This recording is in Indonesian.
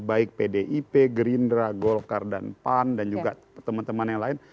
baik pdip gerindra golkar dan pan dan juga teman teman yang lain